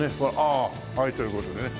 はいという事でね。